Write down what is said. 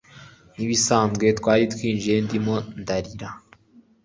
nkibisanzwe twari twinjiye ndimo ndarira